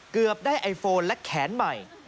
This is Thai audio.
เกือบได้ไอโฟนและแขนใหม่